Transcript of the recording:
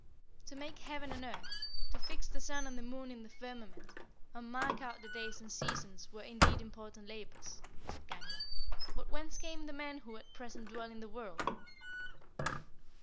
9. "To make heaven and earth, to fix the sun and the moon in the firmament, and mark out the days and seasons, were, indeed, important labours," said Gangler; "but whence came the men who at present dwell in the world?"